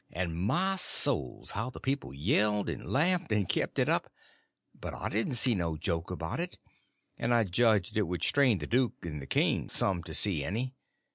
And, my souls, how the people yelled and laughed, and kept it up. But I didn't see no joke about it, and I judged it would strain the duke and the king some to see any.